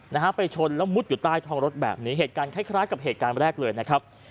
นะฮะไปชนแล้วมุดอยู่ใต้ท้องรถแบบนี้เหตุการณ์คล้ายคล้ายกับเหตุการณ์แรกเลยนะครับ